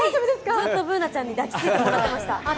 ずっとＢｏｏｎａちゃんに抱きついてました。